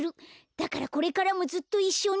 だからこれからもずっといっしょに。